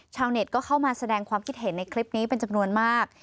ชาวเน็ตก็เข้ามาแสดงความคิดเห็นในคลิปนี้เป็นจำนวนมาก